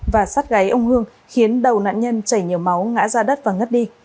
và sát gáy ông hương khiến đầu nạn nhân chảy nhiều máu ngã ra đất và ngất đi